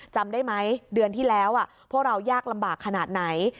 จำได้ไหมเดือนที่แล้วพวกเรายากลำบากขนาดไหน